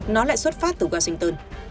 nó lại xuất phát từ washington